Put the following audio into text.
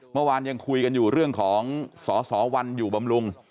เมื่อวานยังคุยกันอยู่เรื่องของสสวันอยู่บำรุง